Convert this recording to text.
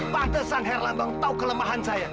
patesan herlambang tau kelemahan saya